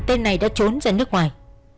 tên này đã trốn ra nước ngoài